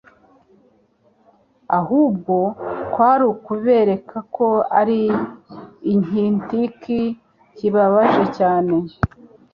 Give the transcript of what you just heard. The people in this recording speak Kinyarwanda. ahubwo kwari ukubereka ko ari ikintk kibabaje cyane